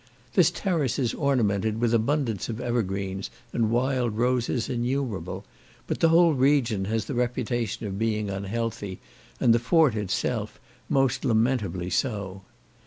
This terrace is ornamented with abundance of evergreens, and wild roses innumerable, but, the whole region has the reputation of being unhealthy, and the fort itself most lamentably so.